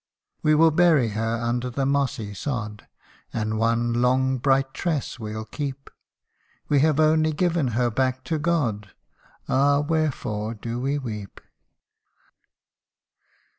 We will bury her under the mossy sod, And one long bright tress we '11 keep ; We have only given her back to God Ah ! wherefore do we weep